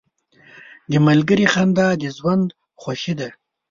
• د ملګري خندا د ژوند خوښي ده.